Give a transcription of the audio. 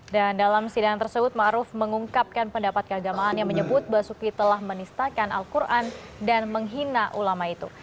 dan dalam sidang tersebut maruf mengungkapkan pendapat keagamaan yang menyebut basuki telah menistakan al quran dan menghina ulama itu